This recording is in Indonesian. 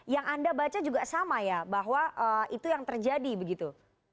yang anda baca juga sama ya bahwa itu yang terjadi begitu